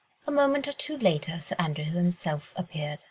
A moment or two later Sir Andrew himself appeared.